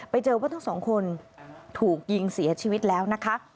ไปเจอว่าทั้งสองคนถูกยิงเสียชีวิตแล้วนะคะ